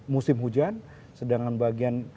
musim hujan sedangkan bagian